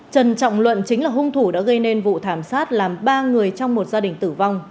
trần trọng luận chính là hung thủ đã gây nên vụ thảm sát làm ba người trong một gia đình tử vong